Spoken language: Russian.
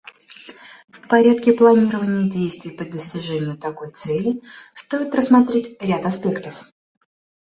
В порядке планирования действий по достижению такой цели стоит рассмотреть ряд аспектов.